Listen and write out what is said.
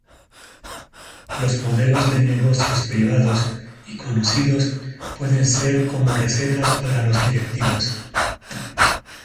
Los modelos de negocio privados, y conocidos, pueden ser como "recetas" para los directivos.